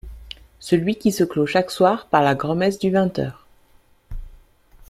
Celui qui se clôt chaque soir par la grand’messe du vingt heures.